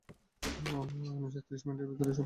আনিশা ত্রিশ মিনিটের ভেতর সব হয়ে যাবে।